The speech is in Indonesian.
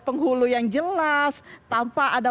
penghulu yang jelas tanpa ada